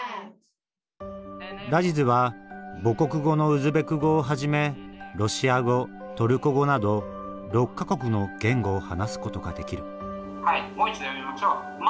ラジズは母国語のウズベク語をはじめロシア語トルコ語など６か国の言語を話すことができる「はいもう一度読みましょう。